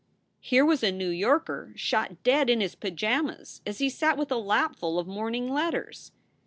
Here was a New Yorker shot dead in his pajamas as he sat with a lapful of morning letters.